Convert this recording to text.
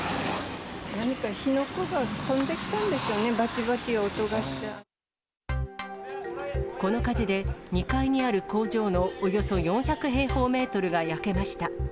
何か火の粉が飛んできたんでしょこの火事で、２階にある工場のおよそ４００平方メートルが焼けました。